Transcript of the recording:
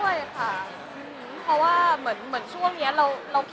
ไม่ได้อยากใช้คำว่าเผียดเลยแต่ว่าเอ่อทักก่อนแปปนึงก่อน